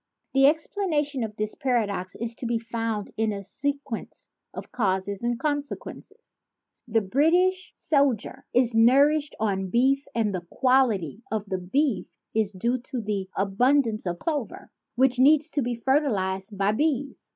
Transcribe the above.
The explana tion of this paradox is to be found in a sequence of causes and consequences. The British sol dier is nourished on beef and the quality of the beef is due to an abundance of clover, which needs to be fertilized by bees.